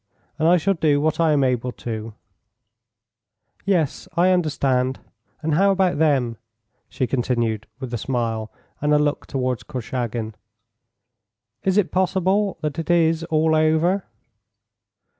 And I shall do what I am able to." "Yes, I understand. And how about them?" she continued, with a smile and a look towards Korchagin. "Is it possible that it is all over?"